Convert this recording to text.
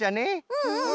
うんうん。